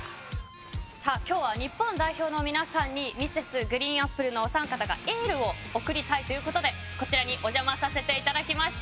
今日は、日本代表の皆さんにＭｒｓＧＲＥＥＮＡＰＰＬＥのお三方がエールを送りたいということでこちらにお邪魔させていただきました。